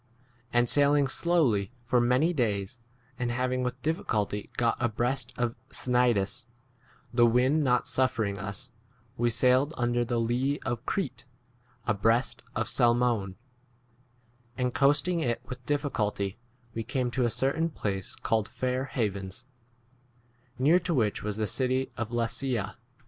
And sailing slowly for many days, and having with difficulty got abreast of Cnidus, the wind not suffering us, we sailed under the lee of Crete 8 abreast of Salmone ; and coasting it with difficulty we came to a certain place called Fair Havens, near to which was [the] city of 9 Lasaea.